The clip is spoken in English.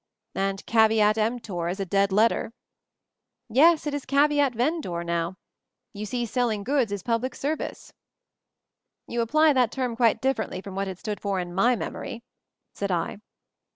"And 'caveat emptor' is a dead letter?" "Yes, it is 'caveat vendor* now. You see, selling goods is public service." "You apply that term quite differently from what it stood for in my memory," said I.